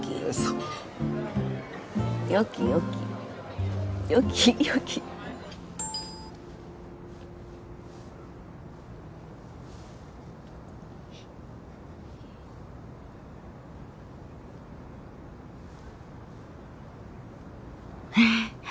よきよき。へえ。